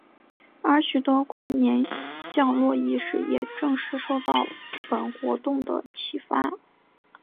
而许多跨年降落仪式也正是受到本活动的启发。